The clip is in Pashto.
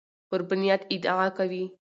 پر بنیاد ادعا کیږي